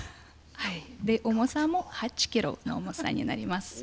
重さも８ｋｇの重さになります。